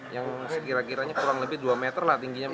yang sekiranya kurang lebih dua meter lah tingginya